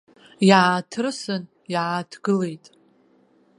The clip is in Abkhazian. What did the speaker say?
Иааҭрысын, иааҭгылеит.